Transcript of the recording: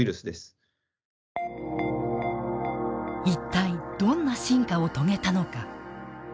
一体、どんな進化を遂げたのか。